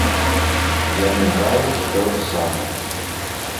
Яны граюць тое ж самае.